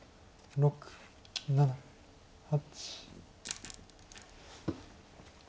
６７８。